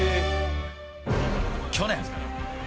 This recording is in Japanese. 去年。